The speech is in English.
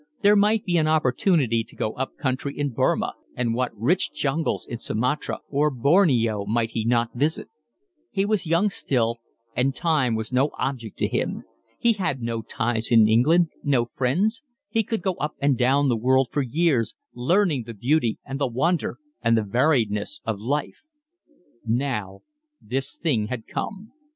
There might be an opportunity to go up country in Burmah, and what rich jungles in Sumatra or Borneo might he not visit? He was young still and time was no object to him. He had no ties in England, no friends; he could go up and down the world for years, learning the beauty and the wonder and the variedness of life. Now this thing had come.